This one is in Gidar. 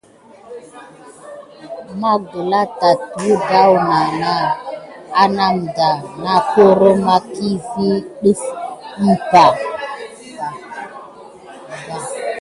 Ma gawla tay dədawna anamda na koro makiawi ɗəf i ɓa.